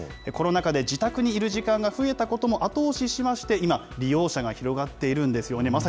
コロナ禍で自宅にいる時間が増えたことも後押ししまして、今、利用者が広がっているんですよね。